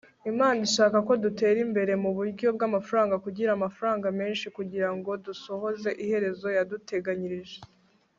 imana ishaka ko dutera imbere mu buryo bw'amafaranga, kugira amafaranga menshi, kugira ngo dusohoze iherezo yaduteganyirije